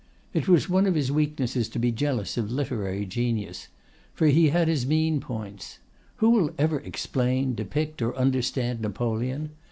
"It was one of his weaknesses to be jealous of literary genius—for he had his mean points. Who will ever explain, depict, or understand Napoleon?